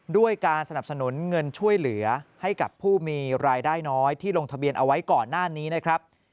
ด้วยการสนับสนุนเงินช่วยเหลือให้กับผู้มีรายได้น้อยที่ลงทะเบียนเอาไว้ก่อนหน้านี้นะครับ